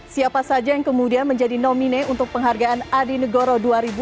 siapa saja yang kemudian menjadi nomine untuk penghargaan adi negoro dua ribu dua puluh